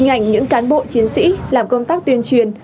hình ảnh những cán bộ chiến sĩ làm công tác tuyên truyền